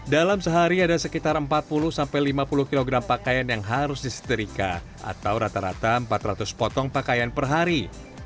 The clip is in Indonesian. dalam sehari ada sekitar empat puluh sampai lima puluh kg pakaian yang harus diseterikan atau rata rata empat ratus potong pakaian per hari